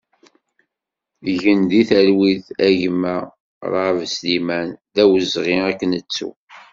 Gen di talwit a gma Raab Sliman, d awezɣi ad k-nettu!